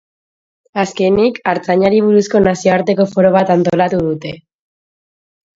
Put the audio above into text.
Azkenik, artzaintzari buruzko nazioarteko foro bat antolatu dute.